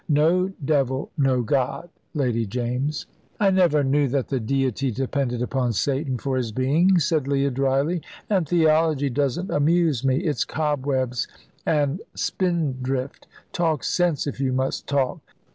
No devil, no God, Lady James." "I never knew that the Deity depended upon Satan for his being," said Leah, dryly; "and theology doesn't amuse me it's cobwebs and spindrift. Talk sense, if you must talk."